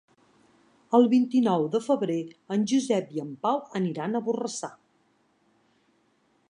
El vint-i-nou de febrer en Josep i en Pau aniran a Borrassà.